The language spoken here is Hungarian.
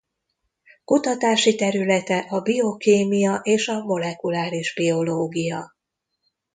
Kutatási területe a biokémia és a molekuláris biológia.